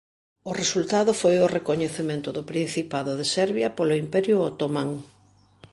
O resultado foi o recoñecemento do Principado de Serbia polo Imperio Otomán.